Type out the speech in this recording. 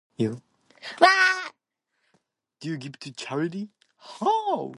You. Waaahh! Do you give to charity? Haooh!